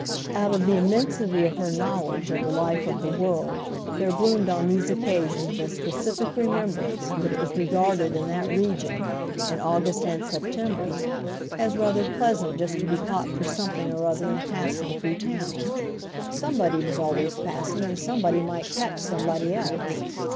Out of the immensity of her knowledge of the life of the world there bloomed on these occasions as specific remembrance that it was regarded in that region, in August and September, as rather pleasant just to be caught for something or other in passing through town. Somebody was always passing and somebody might catch somebody else.